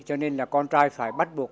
cho nên là con trai phải bắt buộc